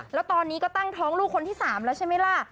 แล้วตอนนี้ก็ตั้งท้องลูกคนที่๓แล้วใช่ไหมล่ะ